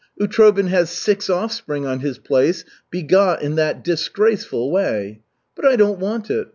Utrobin has six offspring on his place begot in that disgraceful way. But I don't want it.